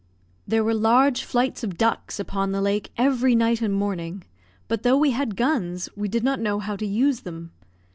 There were large flights of ducks upon the lake every night and morning; but though we had guns, we did not know how to use them.